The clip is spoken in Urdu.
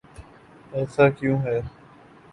ایسا کیوں ہے؟